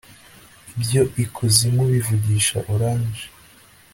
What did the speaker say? ibyo ikuzimu bivugisha orange